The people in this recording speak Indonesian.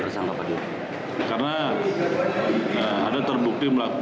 sudah tersangka ya